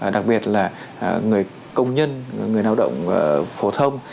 đặc biệt là người công nhân người lao động phổ thông